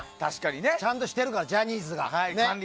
ちゃんとしてるからジャニーズが。